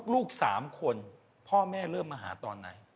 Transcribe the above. ลูก๓คนพ่อแม่เริ่มมาหาตอนไหน